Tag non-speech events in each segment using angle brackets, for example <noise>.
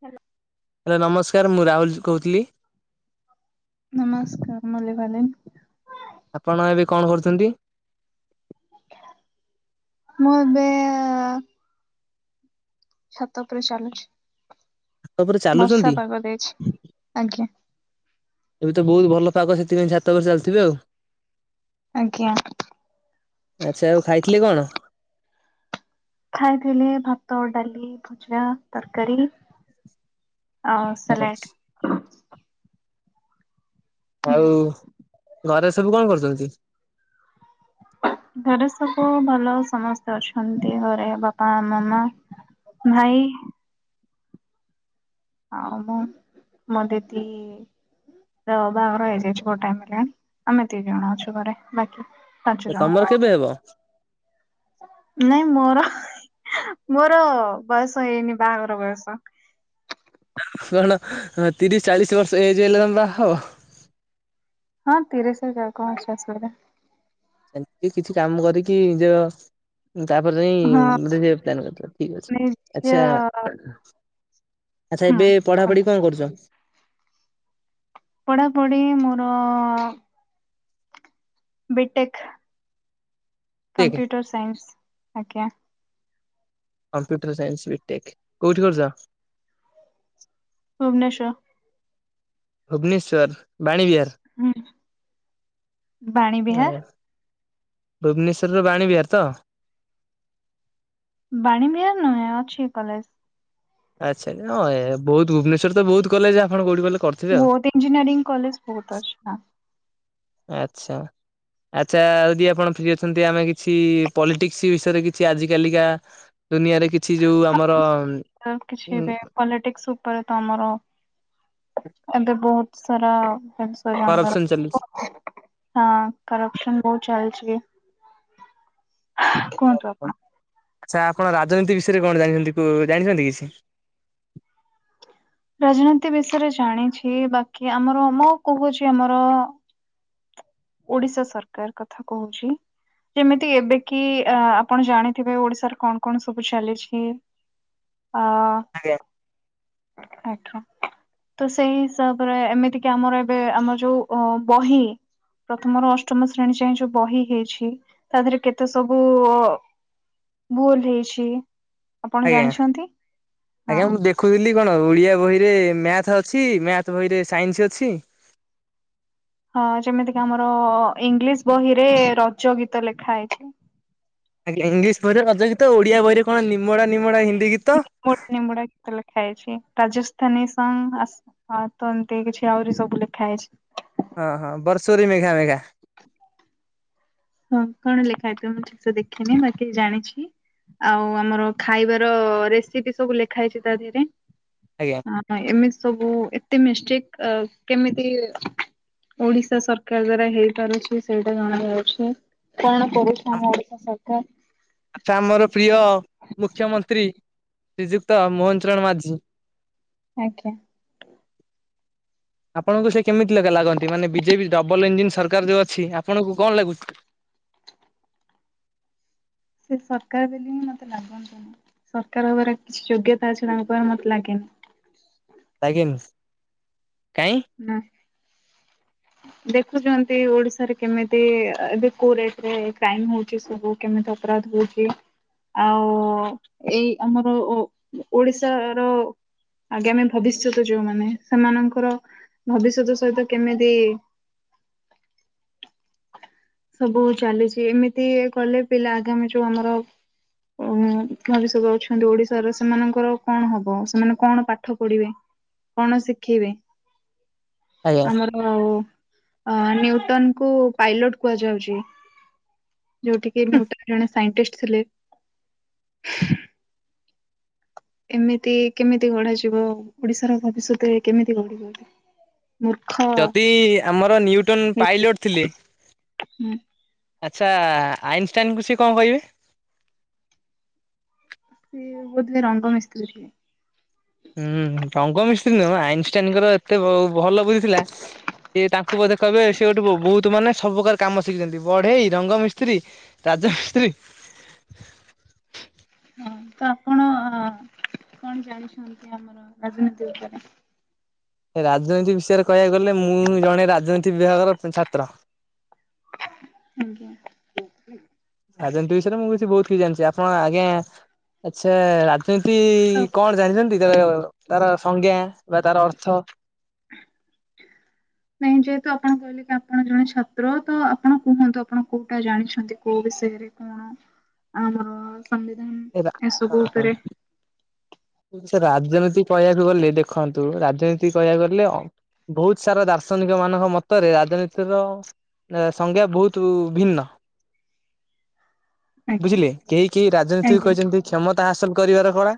Hello! Hello, ନମସ୍କାର। ମୁଁ ରାହୁଲ କହୁଥିଲି। ନମସ୍କାର। ମୁଁ ଲୀଭାଲିନ୍। ଆପଣ ଏବେ କଣ କରୁଛନ୍ତି? ମୁଁ ଏବେ-ଏ-ଏ-ଅ ଛାତ ଉପରେ ଚାଲୁଛି। ଛାତ ଉପରେ ବର୍ଷା ଚାଲୁଛନ୍ତି? ପାଗ ଦେଇଛି। ଆଜ୍ଞା! ଏବେ ତ ବହୁତ ଭଲ ପାଗ। ସେଥିପାଇଁ ଛାତ ଉପରେ ଚାଲିଥିବେ ଆଉ। ଆଜ୍ଞା। ଆଚ୍ଛା, ଆଉ ଖାଇଥିଲେ କଣ? ଖାଇଥିଲି, ଭାତ, ଡାଲି, ଭଜା, ତରକାରୀ। ଆଉ ସେଲେଟ୍। ହୁଁ ଆଉ ଘରେ ସବୁ କଣ କରୁଚନ୍ତି? ଘରେ ସବୁ ଭଲ ସମସ୍ତେ ଅଛନ୍ତି ଘରେ ବାପା, ମାମା। ଭାଇ। ଆଉ ମୁଁ ମୋ ଦିଦି ର ବାହାଘର ହେଇଯାଇଛି ବହୁତ ଟାଇମ୍ ହେଲାଣି ଆମେ ଦି ଜଣ ଅଛୁ ଘରେ ବାକି। ପାଞ୍ଚ ଏ ଜଣ ତମର କେବେ ହେବ? ନାଇଁ ମୋର ମୋର ବୟସ ହେଇନି ବାହାଘର ବୟସ। କଣ ତିରିଶ ଚାଳିଶି ବର୍ଷ ଏଜ୍ ହେଲେ ତମ ବାହା ହବ? ହଁ ତିରିଶି ହେଇଯାଉ କଣ ଅଛି ଅସୁବିଧା। ସେମତି କିଛି କାମ କରିକି ନିଜ ତାପରେ ଯାଇଁ ହଁ <unintelligible> ପ୍ଲାନ କରିଚ ଠିକ୍ ନିଜ ଅଛି ଆଚ୍ଛା ଆଚ୍ଛା ହୁଁ ଏବେ ପଢା ପଢି କୁହନ୍ତୁ। କଣ କରୁଚ? ପଢା ପଢି ମୋର B tech tech computer science ଆଜ୍ଞା। Computer science B tech କୋଉଠି କରୁଚ? ଭୁବନେଶ୍ୱର। ଭୁବନେଶ୍ୱର ବାଣୀବିହାର। ହୁଁ। ବାଣୀ ବିହାର ଆଉ ଭୁବନେଶ୍ୱରର ବାଣୀବିହାର ତ? ବାଣୀବିହାର ନୁହେଁ ଅଛି କଲେଜ। ଆଚ୍ଛା ହଁ ଏ ବହୁତ ଭୁବନେଶ୍ୱର ରେ ତ ବହୁତ କଲେଜ ଆପଣ କୋଉଠି ବୋଇଲେ କର ବହୁତ ଇଞ୍ଜିନିୟରିଂ କଲେଜ ବହୁତ ଅଛି ହଁ। ଆଚ୍ଛା। ଆଚ୍ଛା ଯଦି ଆପଣ ଫ୍ରି ଅଛନ୍ତି ଆମେ କିଛି ପଲିଟିକ୍ସ ବିଷୟରେ କିଛି ଆଜି କାଲିକା ଦୁନିଆରେ କିଛି ଯୋଉ ଆମର ତ କିଛି ଉଁ ଏବେ ପଲିଟିକ୍ସ ଉପରେ ତ ଆମର ଏବେ ବହୁତ ସାରା <unintelligible> <unintelligible> ଜାଣିବାର କରପସନ <inaudible> ଚାଲିଛି। ହଁ କରପ୍ସନ ବହୁତ ଚାଲଚି। କୁହନ୍ତୁ ଓହୋ ଆପଣ। ଆଚ୍ଛା ଆପଣ ରାଜନୀତି ବିଷୟରେ କଣ ଜାଣିଚନ୍ତି କୁ ଜାଣିଚନ୍ତି କିଛି? ରାଜନୀତି ବିଷୟରେ ଜାଣିଛି ବାକି ଆମର ମୁଁ କହୁଛି ଆମର ଓଡ଼ିଶା ସରକାର କଥା କହୁଛି। ଯେମିତି ଏବେ କି ଅ ଆପଣ ଜାଣିଥିବେ ଓଡ଼ିଶାରେ କଣ କଣ ସବୁ ଚାଲିଛି। ଅ ଆଜ୍ଞା ଆଜ୍ଞା। ତ ସେଇ ହିସାବରେ ଏମିତିକି ଆମର ଏବେ ଆମର ଯୋଉ ଅ ବହି ପ୍ରଥମରୁ ଅଷ୍ଟମ ଶ୍ରେଣୀ ଯାଏ ଯୋଉ ବହି ହେଇଛି ତା ଦେହରେ କେତେ ସବୁ ଅ ଭୁଲ୍ ହେଇଛି। ଆପଣ ଆଜ୍ଞା ଜାଣିଛନ୍ତି ହଁ ଆଜ୍ଞା ମୁଁ ଦେଖ ଖୁଥିଲି କଣ ଓଡ଼ିଆ ବହିରେ ମ୍ୟାଥ ଅଛି ମ୍ୟାଥ୍ ବହିରେ ସାଇନ୍ସ ଅଛି। ହଁ ଯେମିତିକି ଆମର ଇଂଲିଶ ବହିରେ ରଜ ଗୀତ ଲେଖା ହେଇଛି। ଆଜ୍ଞା ଇଂଲିଶ ବହିରେ ରଜ ଗୀତ ଓଡ଼ିଆ ବହିରେ କଣ ନିମୋଡା ନିମୋଡା ହିନ୍ଦୀ ଗୀତହ ମୋଡ ନିମ୍ବୁଡା ଗୀତ ଲେଖା ହେଇଛି ରାଜସ୍ଥାନୀ ସଙ୍ଗ ଆ ହଁ ତ ଏମତି କିଛି ଆହୁରି ସବୁ ଲେଖା ହେଇଛି। ହଁ ହଁ ବର୍ଷୋରେ ମେଘା ମେଘା। ହଁ କଣ ଲେଖା ହେଇଥିବ ମୁଁ ଠିକସେ ଦେଖିନି ବାକି ଜାଣିଛି। ଆଉ ଆମର ଖାଇବାର ରେସିପି ସବୁ ଲେଖା ହେଇଛି ତା ଦିହେରେ। ଆଜ୍ଞା। ହଁ ଏମିତି ସବୁ ଏତେ ମିଷ୍ଟେକ୍ ଅ କେମିତି ଓଡି଼ଶା ସରକାର ଦ୍ଵାରା ହେଇ ପାରୁଛି ସେଇଟା ଜଣା ଯାଉଛି। କାରଣ ପରିଶ୍ରମ ଓଡ଼ିଶା ସରକାର ଆଚ୍ଛା ଆମର ପ୍ରିୟ ମୁଖ୍ୟମନ୍ତ୍ରୀ ଶ୍ରୀଯୁକ୍ତ ମୋହନ ଚରଣ ମାଝୀ। ଆଜ୍ଞା। <inaudible> ଆପଣଙ୍କୁ ସେ କେମିତି ଲେଗା ଲାଗନ୍ତି? ମାନେ ବିଜେପି ଡବଲ୍ ଇଞ୍ଜିନ୍ ସରକାର ଯୋଉ ଅଛି ଆପଣଙ୍କୁ କଣ ଲାଗୁଚି? ସେ ସରକାର ବୋଲି ହିଁ ମୋତେ ଲାଗନ୍ତିନି। ସରକାର ହେବାର କିଛି ଯୋଗ୍ୟତା ଅଛି ତାଙ୍କ ପାଖେ ମୋତେ ଲାଗେନି। ଲାଗେନି, କାଇଁ? ନା। <inaudible> ଦେଖୁଛନ୍ତି ଓଡିଶାରେ କେମିତି ଏବେ କୋଉ ରେଟ ରେ କ୍ରାଇମ ହଉଛି ସବୁ। କେମିତି ଅପରାଧ ହଉଚି। ଆଉ ଏଇ ଆମର ଓ ଓଡ଼ିଶା ର ଆଗାମୀ ଭବିଷ୍ୟତ ଯୋଉମାନେ ସେମାନଙ୍କର ଭବିଷ୍ୟତ ସହିତ କେମିତି ସବୁ ଚାଲିଚି ଏମିତି କଲେ ପିଲା ଆଗାମୀ ଯୋଉ ଆମର ଭବିଷ୍ୟତ ଅଛନ୍ତି ଓଡିଶାର ସେମାନଙ୍କର କଣ ହବ। ସେମାନେ କଣ ପାଠ ପଢିବେ। କଣ ଶିଖିବେ। ଆଜ୍ଞା। ଆମର ଅ ନ୍ୟୁଟନ କୁ ପାଇଲଟ କୁହାଯାଉଚି। ଯୋଉଠି କି ନିଉଟନ୍ ଜଣେ ସାଇଟିଷ୍ଟ ଥିଲେ। ଏମିତି କେମିତି ଗଢାଯିବ, ଓଡିଶାର ଭବିଷ୍ୟତରେ କେମିତି ଗଢିବ। ମୂର୍ଖ ଯଦି ଆମର ନ୍ୟୁଟନ ପାଇଲଟ ଥିଲେ ହୁଁ। ଆଚ୍ଛା ଆଇନଷ୍ଟାଇନ୍ କୁ ସିଏ କଣ କହିବେ। ସେ ବୋଧେ ରଙ୍ଗ ମିସ୍ତ୍ରୀ ଥିଲେ। ହୁଁ ରଙ୍ଗ ମିସ୍ତ୍ରୀ ନୁହଁ। ଆଇନଷ୍ଟାଇନଙ୍କର ଏତେ ଭଲ ବୁଦ୍ଧି ଥିଲା ସିଏ ତାଙ୍କୁ ବୋଧେ କହିବେ ସେ ଗୋଟେ ବହୁତ ମାନେ ସବୁ ପ୍ରକାର କାମ ଶିଖିଛନ୍ତି ବଢେଇ, ରଙ୍ଗମିସ୍ତ୍ରୀ ରାଜମିସ୍ତ୍ରୀ। ହଁ ତ ଆପଣ କଣ ଜାଣିଛନ୍ତି ଆମର ରାଜନୀତି ଉପରେ? ରାଜନୀତି ବିଷୟରେ କହିବାକୁ ଗଲେ ମୁଁ ଜଣେ ରାଜନୀତି ବିଭାଗର ଛାତ୍ର। ଆଜ୍ଞା। ରାଜନୀତି ବିଷୟରେ ମୁଁ କିଛି ବହୁତ କିଛି ଜାଣିଚି। ଆପଣ ଆଜ୍ଞା ଆଚ୍ଛା ସେମିତି ତ କଣ ଜାଣିଛନ୍ତି ତାର ତାର ସଂଜ୍ଞା ବା ତାର ଅର୍ଥ? ନାଇଁ ଯେହେତୁ ଆପଣ କହି ଯେହେତୁ ଆପଣ ଜଣେ ଛାତ୍ର ତ ଆପଣ କୁହନ୍ତୁ ଆପଣ କୋଉଟା ଜାଣିଛନ୍ତି କୋଉ ବିଷୟରେ କଣ? ଆମର ସମ୍ବିଧାନ ଏସବୁ ଉପରେ <unintelligible> ସେ ରାଜନୀତି କହିବାକୁ ଗଲେ ଦେଖନ୍ତୁ ରାଜନୀତି କହିବାକୁ ଗଲେ ବହୁତ ସାରା ଦାର୍ଶନିକ ମାନଙ୍କ ମତରେ ରାଜନୀତିର ସଂଜ୍ଞା ବହୁତ ଭିନ୍ନ। ଆଜ୍ଞା। ବୁଝିଲେ। କେହି କେହି ରାଜନୀତି ଆଜ୍ଞା କ୍ଷମତା ହାସଲ କରିବାର କଳା।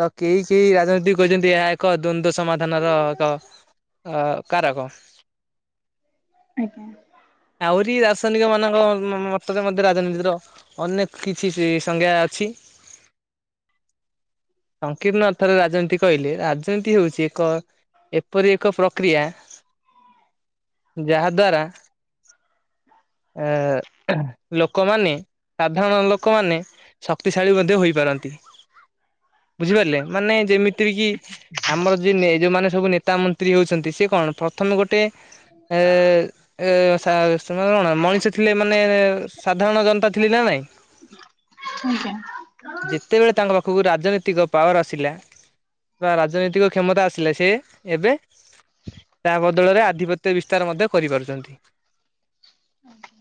ତ କେହି କେହି ରାଜନୀତି କହିଛନ୍ତି ଏହା ଏକ ଦ୍ଵନ୍ଦ ସମାଧାନର ଦ କାରକ। ଆଜ୍ଞା। ଆହୁରି ଦାର୍ଶନିକ ମାନଙ୍କ ମତରେ ମଧ୍ୟ ରାଜନୀତିର ଅନେକ କିଛି ସେ ସଂଜ୍ଞା ଅଛି। ସଂକୀର୍ଣ୍ଣ ଅର୍ଥରେ ରାଜନୀତି କହିଲେ ରାଜନୀତି ହେଉଛି ଏକ ଏପରି ଏକ ପ୍ରକ୍ରିୟା ଯାହାଦ୍ୱାର ଏ ଲୋକମାନେ ସାଧାରଣ ଲୋକମାନେ ବୋଧେ ହୋଇପାରନ୍ତି। ବୁଝିପାରିଲେ, ମାନେ ଯେମିତି ତି କି ଆମର ଯେ ଯୋଉମାନେ ସବୁ ନେତା ମନ୍ତ୍ରୀ ହଉଛନ୍ତି ସେ କଣ ପ୍ରଥମେ ଗୋଟେ ଏ ଏ ସେ ସେମାନେ କଣ ମଣିଷ ଥିଲେ ମାନେ ସାଧାରଣ ଜନତା ଥିଲେ ନା ନାଇଁ। ଆଜ୍ଞା। ଯେତେବେଳେ ତାଙ୍କ ପାଖୁକୁ ରାଜନୈତିକ ପାୱାର ଆସିଲା ବା ରାଜନୀ ତିକ କ୍ଷମତା ଆସିଲେ ସେ ଏବେ ତା ବଦଳରେ ଆଧିପତ୍ୟ ବିସ୍ତାର ମଧ୍ୟ କରିପାରୁଚନ୍ତି। ହୁଁ।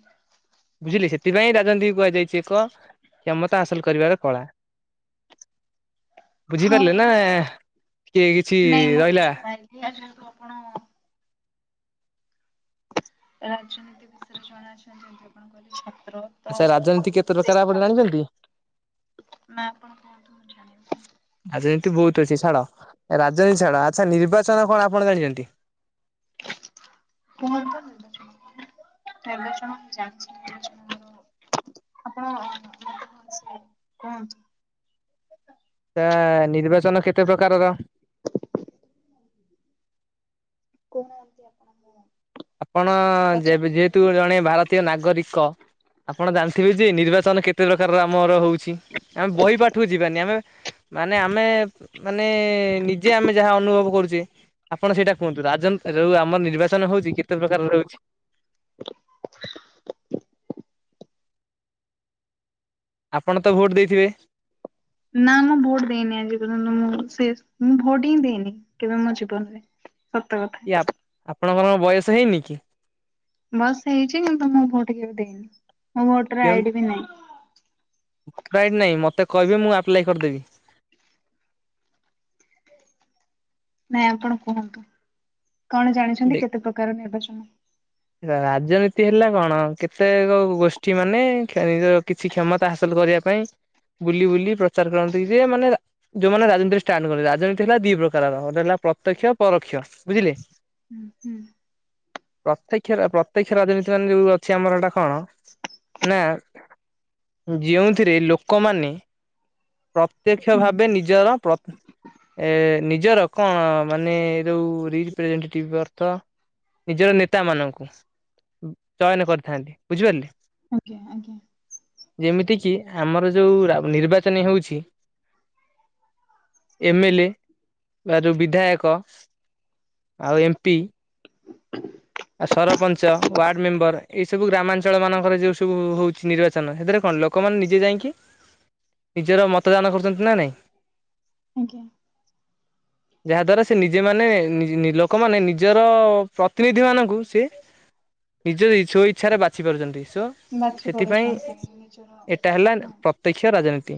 ବୁଝିଲେ ସେଥିପାଇଁ ରାଜନୀତିକୁ କୁହାଯାଇଛି ଏକ କ୍ଷମତା ହାସଲ କରିବାର କଳା ବୁଝିପାରିଲେ ହଁ ନା କିଏ କିଛି ନାଇଁ ମୁଁ ରଇଲା। <unintelligible> ଆପଣ। ରାଜନୀତି ବିଷୟରେ ଜଣା ଅଛନ୍ତି ଯେମିତି ଆପଣ କହିଲେ ଛାତ୍ର। ତ ଆଚ୍ଛା ରାଜନୀତି କେତେ ପ୍ରକାର ଆପଣ ଜାଣିଚନ୍ତି? ନା ଆପଣ କୁହନ୍ତୁ ମୁଁ ଜାଣିବି। ରାଜନୀତି ବହୁତ ଅଛି ଛାଡ ରାଜନୀତି ଛାଡ ଆଚ୍ଛା ନିର୍ବାଚନ କଣ ଆପଣ ଜାଣିଚନ୍ତି? କୁହନ୍ତୁ ତ ନିର୍ବାଚନ <unintelligible> ଆପଣ <unintelligible> କୁହନ୍ତୁ। ତା ନିର୍ବାଚନ କେତେ ପ୍ରକାରର? କଉ ନାହାନ୍ତି ଆପଣ କୁ <unintelligible> ଆପଣ ଯେବେ ଯେ ତୁ ଜଣେ ଭାରତୀୟ ନାଗରିକ ଆପଣ ଜାଣିଥିବେ ଯେ ନିର୍ବାଚନ କେ <unintelligible> ପ୍ରକାରର ଆମର ହଉଛି ଆମେ ବହି ପାଠକୁ ଯିବାନି ଆମେ ମାନେ ଆମେ ମାନେ ନିଜେ ଆମେ ଯାହା ଅନୁଭବ କରୁଚେ। ଆପଣ ସେଇଟା କୁହନ୍ତୁ ରାଜନ୍ ଯୋଉ ଆମର ନିର୍ବାଚନ ହଉଚି କେତେ ପ୍ରକାର ରହୁଛି? ଆପଣ ତ ଭୋଟ ଦେଇଥିବେ? ନା ମୁଁ ଭୋଟ ଦେଇନି ଆଜି ପର୍ଯ୍ୟନ୍ତ ମୁଁ ସେ ମୁଁ ଭୋଟ ହିଁ ଦେଇନି। କେବେ ମୋ ଜୀବନରେ ସତ କି କଥା। ଆପଣଙ୍କର ବୟସ ହେଇନି କି? ବୟସ ହେଇଚି କିନ୍ତୁ ମୁଁ ଭୋଟ କେବେ ଦେଇନି ମୋ ଭୋଟର ଆଇଡି ବି ନାହିଁ। ଭୋଟର ଆଇଡି ନାଇଁ ମତେ କଇବେ ମୁଁ ଆପ୍ଲାଏ କରିଦେବି। ନାଇଁ ଆପଣ କୁହନ୍ତୁ କଣ ଜାଣିଛନ୍ତି କେତେ ପ୍ରକାର ନିର୍ବାଚନ? ରା-ରାଜନୀତି ହେଲା କଣ କେତେକ ଗୋଷ୍ଠୀ ମାନେ <unintelligible> କିଛି କ୍ଷମତା ହାସଲ କରିବା ପାଇଁ ବୁଲି ବୁଲି ପ୍ରଚାର କରନ୍ତି ଯେ ମାନେ ଯୋଉମାନେ ରାଜନୀତିରେ ଷ୍ଟାଣ୍ଡ କରନ୍ତି ରାଜନୀତି ହେଲା ଦି ପ୍ରକାରର ଗୋଟେ ହେଲା ପ୍ରତ୍ୟକ୍ଷ ପରୋକ୍ଷ ବୁଝିଲେ। ହୁଁ ହୁଁ। ପ୍ରତ୍ୟକ୍ଷ ରା ପ୍ରତ୍ୟକ୍ଷ ରାଜନୀତି ମାନେ ଯୋଉ ଅଛି ଆମର ଏଟା କଣ ନା ଯେଉଁଥିରେ ଲୋକମାନେ ପ୍ରତ୍ୟକ୍ଷ ହୁଁ। ଭାବେ ନି ଜର ପ୍ର ଏ ନିଜର କଣ ମାନେ ଏ ଯୋଉ ରିପ୍ରେଜେଣ୍ଟେଟିବ୍ଅର୍ଥ ନିଜର ନେତା ମାନଙ୍କୁ ଚୟନ କରିଥାନ୍ତି ବୁଝିପାରିଲେ। ଆଜ୍ଞା ଆଜ୍ଞା। ଯେମିତି କିି ଆମର ଯୋଉ ରା ନିର୍ବାଚନ ହେଉଛି। ଏମ୍ ଏଲ ଏ ବା ଯୋଉ ବିଧାୟକ। ଆଉ ଏମ୍ ପି। ଆଉ ସରପଞ୍ଚ, ୱାର୍ଡ ମେମ୍ବର ଏଇ ସବୁ ଗ୍ରାମାଞ୍ଚଳ ମାନଙ୍କରେ ଯୋଉ ସବୁ ହଉଛି ନିର୍ବା ଚନ ସେଥିରେ କଣ ଲୋକମାନେ ନିଜେ ଯାଇଁକି ନିଜର ମତ ଦାନ କରୁଚନ୍ତି ନା ନାଇଁ? ଆଜ୍ଞା। <inaudible> ଯାହା ଦ୍ଵାରା ସେ ନିଜେ ମାନେ ନି-ନି ଲୋକମାନେ ନିଜର ପ୍ରତିନିଧି ମାନ କୁ ସେ ନିଜ ସୋ ଇଚ୍ଛାରେ ବାଛି ପାରୁଚନ୍ତି ସୋ ବାଛି ସେଥିପାଇଁ ପାରୁଛନ୍ତି ଏଟା ହେଲା ନିଜର ପ୍ର ପ୍ରତ୍ୟକ୍ଷ ରାଜନୀତି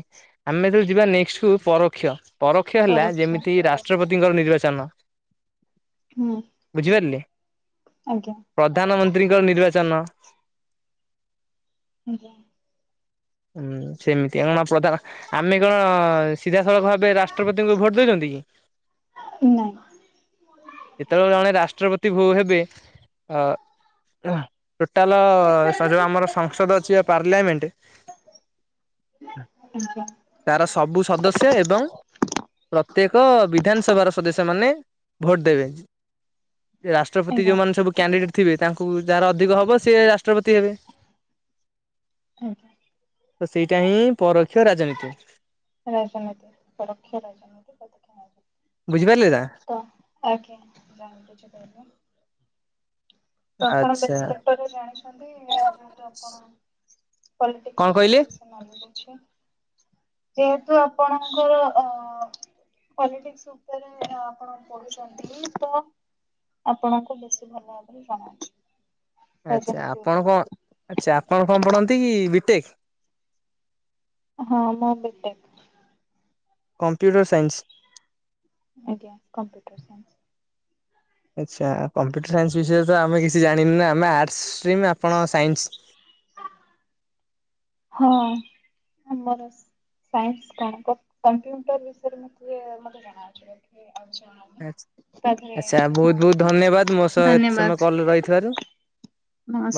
ଆମେ ଯେତଳେ ଯିବା ନେକ୍ସଟ୍ କୁ ପରୋକ୍ଷ ପରୋକ୍ଷ ହେଲା ପରୋକ୍ଷ ଯେମିତି ରା ଷ୍ଟ୍ରପତିଙ୍କର ନିର୍ବାଚନ। ହୁଁ। ବୁଝିପାରିଲେ। ଆଜ୍ଞା। ପ୍ରଧାନମନ୍ତ୍ରୀଙ୍କର ନିର୍ବାଚନ। ଆଜ୍ଞା। ହୁଁ ସେମିତି କଣ ପ୍ରଧାନ ଆମେ କଣ ସିଧାସଳଖ ଭାବେ ରାଷ୍ଟ୍ରପତିଙ୍କୁ ଭୋଟ ଦେଇଛନ୍ତି କି? ନାଇଁ। ଯେତେବେଳେ ଜଣେ ରାଷ୍ଟ୍ରପତି ଭୋଉ ହେବେ। ଅ ଆ ଟୋଟାଲ ଯୋଉ ଆମର ସଂସଦ ଅଛି ବା ପାର୍ଲାମେଣ୍ଟ। ଆଜ୍ଞା ତାର ସବୁ ସଦସ୍ୟ ଏବଂ ପ୍ର ତେକ ବିଧାନସଭାର ସଦସ୍ୟ ମାନେ ଭୋଟ ଦେବେ ରାଷ୍ଟ୍ରପତି ଆଜ୍ଞା ଯୋଉମାନେ ସବୁ କ୍ୟାଣ୍ଡିଡେଟ୍ ଥିବେ ତାଙ୍କୁ ଯାହାର ଅଧିକ ହବ ସିଏ ରାଷ୍ଟ୍ରପତି ହେବେ। ଆଜ୍ଞା। ତ ସେଇଟା ହିଁ ପରୋକ୍ଷ ରାଜନୀତି। ରାଜନୀତି ପରୋକ୍ଷ ରାଜନୀତି ପ୍ରତୋକ୍ଷ ରାଜନୀତି। ବୁଝିପାରିଲେ ନାଁ। ତ ଆଜ୍ଞା ବୁଝିପାରିଲି। ତ ଆପଣ ଆଚ୍ଛା ବେଶ ବେଟରରେ ଜାଣିଛନ୍ତି। ଯେହେତୁ ଆପଣ କଣ ପଲିଟିକସ କହିଲେ? ଉପରେ ବିଷୟ <unintelligible> ଯେହେତୁ ଆପଣଙ୍କର ଅ ପଲିଟିକ୍ସ ଉପରେ ଆପଣ ପଢୁଛନ୍ତି। ତ ଆପଣଙ୍କୁ ବେଶୀ ଭଲ ଭାବରେ ଜଣାଅଛି। ଆଚ୍ଛା ରାଜନୀତି ଆପଣ ଉପରେ। କଣ ଆଚ୍ଛା ଆପଣ କଣ ପଢନ୍ତି କି ବିଟେକ୍। ହଁ ମ ବିଟେକ୍। Computer science. ଆଜ୍ଞା କମ୍ପ୍ୟୁଟର ସାଇନ୍ସ। ଆଚ୍ଛା କମ୍ପ୍ୟୁଟର ସାଇନ୍ସ ବିଷୟରେ ତ ଆମେ କିଛି ଜାଣିନୁ ନା। ଆମେ ଆର୍ଟସ ଷ୍ଟ୍ରିମ୍ ଆପଣ ସାଇନ୍ସ। ହଁ ଆମର। ସାଇନ୍ସ୍ କମ୍ପ୍ୟୁଟର ବିଷୟରେ ମୁ ଟିକେ ମୋତେ ଜଣାଅଛି। ବାକି ଟିକେ ଅଜଣା। ଆ ଆଚ୍ଛା ବହୁତ ବହୁତ ଧନ୍ୟବାଦ। ମୋ ସହ ଏତେ ସମୟ ଧନ୍ୟବାଦ କଲ୍ ରେ ରହିଥିବାରୁ।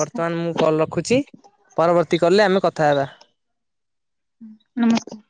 ବର୍ତ୍ତମାନ ମୁଁ କଲ ରଖୁଛି। ପରବର୍ତ୍ତୀ କଲରେ ଆମେ କଥା ହେବା। ନମସ୍କାର।